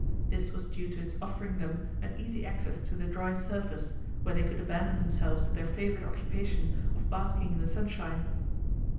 This was due to its offering them an easy access to the dry surface, where they could abandon themselves to their favourite occupation of basking in the sunshine.